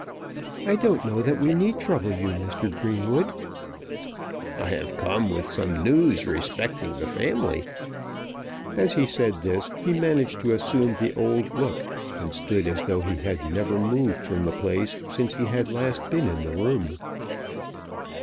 "I don't know that we need trouble you, Mr. Greenwood." "I have come with some news respecting the family." As he said this he managed to assume the old look, and stood as though he had never moved from the place since he had last been in the room.